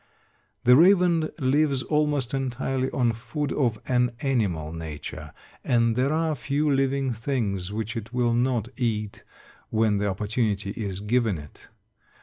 The raven lives almost entirely on food of an animal nature, and there are few living things which it will not eat when the opportunity is given it.